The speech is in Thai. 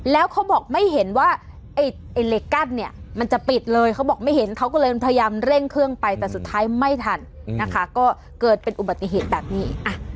แล้วเขาบอกไม่เห็นว่าไอ้เหล็กกั้นเนี่ยมันจะปิดเลยเขาบอกไม่เห็นเขาก็เลยพยายามเร่งเครื่องไปแต่สุดท้ายไม่ทันนะคะก็เกิดเป็นอุบัติเหตุแบบนี้